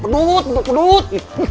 pendut pendut pendut